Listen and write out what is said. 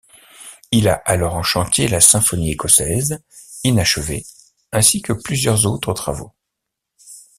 Il a alors en chantier la Symphonie Écossaise, inachevée, ainsi que plusieurs autres travaux.